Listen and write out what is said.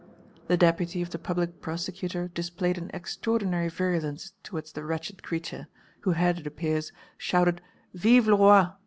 The deputy of the Public Prosecutor displayed an extraordinary virulence towards the wretched creature, who had, it appears, shouted "Vive le Roi!"